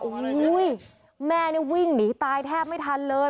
โอ้โหแม่นี่วิ่งหนีตายแทบไม่ทันเลย